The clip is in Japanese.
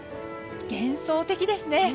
幻想的ですね。